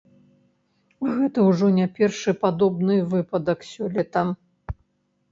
Гэта ўжо не першы падобны выпадак сёлета.